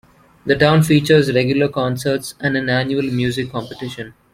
The town features regular concerts and an annual music competition.